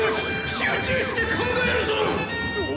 集中して考えるぞ！